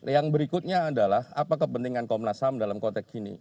yang berikutnya adalah apa kepentingan komnas ham dalam konteks ini